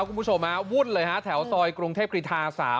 คุณผู้ชมฮะวุ่นเลยฮะแถวซอยกรุงเทพกรีธา๓